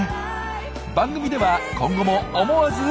番組では今後も思わず。